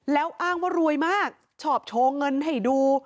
แล้วอ้างว่ารวยมากชอบโชว์เงินให้ดู